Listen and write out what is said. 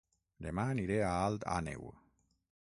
Dema aniré a Alt Àneu